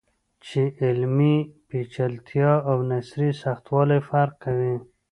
چې علمي پیچلتیا او نثري سختوالی فرق کوي.